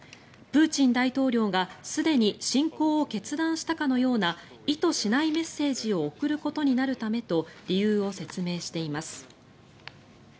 プーチン大統領がすでに侵攻を決断したかのような意図しないメッセージを送ることになるためと理由を説明しています。